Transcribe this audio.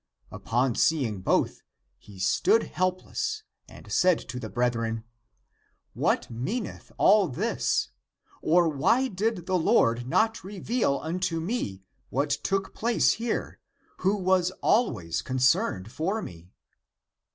Upon seeing both, he stood helpless and said to the brethren, " What meaneth all this? Or why did the Lord not reveal unto me what took place here, who was always concerned for me?